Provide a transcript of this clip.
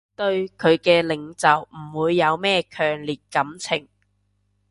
對佢嘅領袖唔會有咩強烈感情